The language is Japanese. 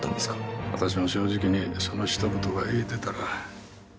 私も正直にそのひと言が言えてたら。